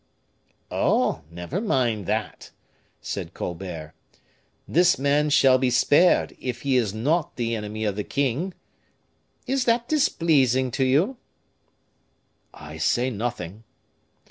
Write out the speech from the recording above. "Oh! never mind that," said Colbert. "This man shall be spared, if he is not the enemy of the king. Is that displeasing to you?" "I say nothing."